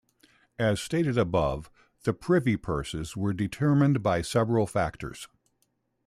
As stated above, the Privy Purses were determined by several factors.